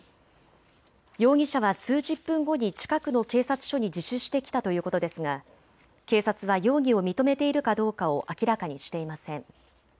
容疑者は数十分後に近くの警察署に自首してきたということですが警察は容疑を認めているかどうかを明らかにしていません。